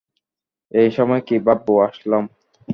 এসময় কি ভাববো, আসলাম?